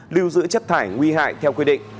lưu giữ chất thải nguy hại theo quy định